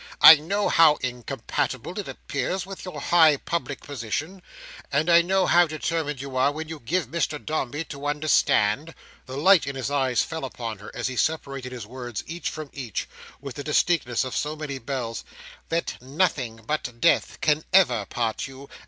I know how incompatible it appears with your high public position, and I know how determined you are when you give Mrs Dombey to understand"—the light in his eyes fell upon her as he separated his words each from each, with the distinctness of so many bells—"that nothing but death can ever part you.